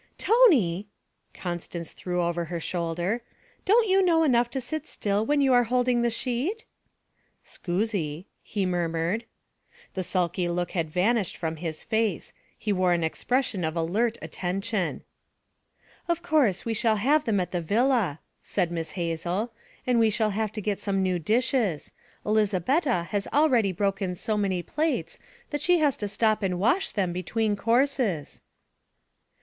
'Tony!' Constance threw over her shoulder. 'Don't you know enough to sit still when you are holding the sheet?' 'Scusi,' he murmured. The sulky look had vanished from his face; he wore an expression of alert attention. 'Of course we shall have them at the villa,' said Miss Hazel. 'And we shall have to get some new dishes. Elizabetta has already broken so many plates that she has to stop and wash them between courses.'